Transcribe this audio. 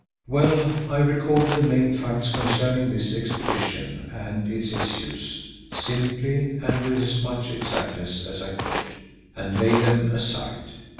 Well, I recorded the main facts concerning this expedition and its issues, simply and with as much exactness as I could, and laid them aside.